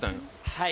はい。